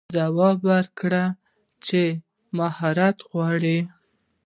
ځواب ورکول څه مهارت غواړي؟